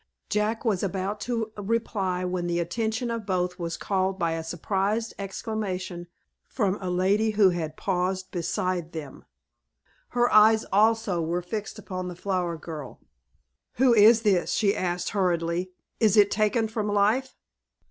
Jack was about to reply, when the attention of both was called by a surprised exclamation from a lady who had paused beside them. Her eyes, also, were fixed upon "The Flower Girl." "Who is this?" she asked, hurriedly. "Is it taken from life?"